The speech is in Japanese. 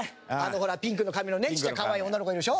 ほらピンクの髪のねちっちゃい可愛い女の子いるでしょ？